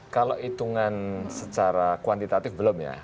kalau hitungan secara kuantitatif belum ya